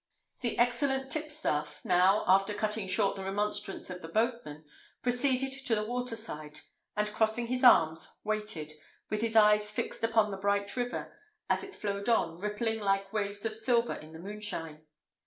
The excellent tipstaff now, after cutting short the remonstrance of the boatman, proceeded to the water side, and crossing his arms, waited, with his eyes fixed upon the bright river, as it flowed on, rippling like waves of silver in the moonshine.